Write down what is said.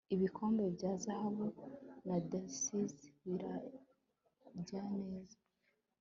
ibikombe bya zahabu na daisies birabya neza